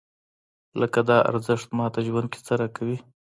لکه دا ارزښت ماته ژوند کې څه راکوي؟